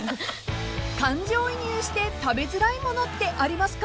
［感情移入して食べづらいものってありますか？］